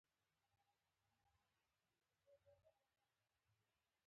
دا هیڅکله نشوای کېدای.